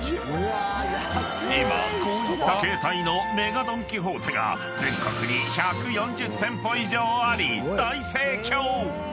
［今こういった形態のＭＥＧＡドン・キホーテが全国に１４０店舗以上あり大盛況！］